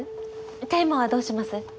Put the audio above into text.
テーマはどうします？